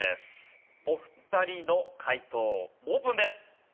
お二人の解答オープンです。